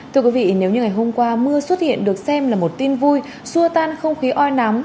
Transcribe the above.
thưa quý vị nếu như ngày hôm qua mưa xuất hiện được xem là một tin vui xua tan không khí oi nóng